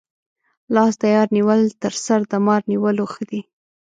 لاس د یار نیول تر سر د مار نیولو ښه دي.